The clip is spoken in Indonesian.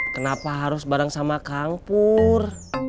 kenapa harus bareng sama kang pur